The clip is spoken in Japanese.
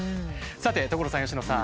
さて所さん佳乃さん。